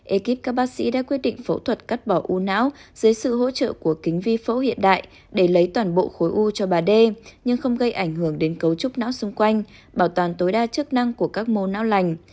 ekip các bác sĩ đã quyết định phẫu thuật cắt bỏ u não dưới sự hỗ trợ của kính vi phẫu hiện đại để lấy toàn bộ khối u cho bà đê nhưng không gây ảnh hưởng đến cấu trúc não xung quanh bảo toàn tối đa chức năng của các mô não lành